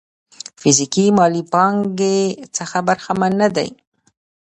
فزيکي مالي پانګې څخه برخمن نه دي.